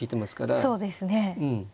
そうですね。